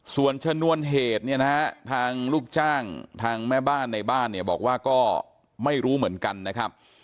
ส่วนชนวนเหตุเนี่ยนะฮะทางลูกจ้างทางแม่บ้านในบ้านเนี่ยบอกว่าก็ไม่รู้เหมือนกันนะครับ